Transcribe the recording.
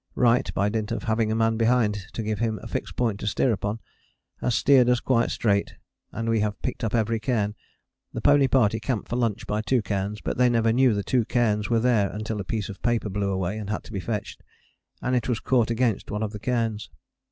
Wright, by dint of having a man behind to give him a fixed point to steer upon, has steered us quite straight, and we have picked up every cairn. The pony party camped for lunch by two cairns, but they never knew the two cairns were there until a piece of paper blew away and had to be fetched: and it was caught against one of the cairns.